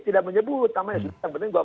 tidak menyebut namanya yang penting buat